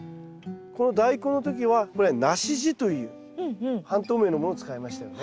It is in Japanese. このダイコンの時はこれ梨地という半透明のものを使いましたよね。